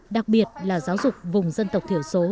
đặc biệt là giáo dục vùng dân tộc thiểu số